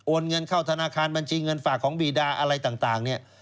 เงินเข้าธนาคารบัญชีเงินฝากของบีดาอะไรต่างเนี่ย